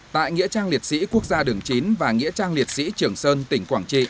tại nghĩa trang liệt sĩ quốc gia đường chín và nghĩa trang liệt sĩ trưởng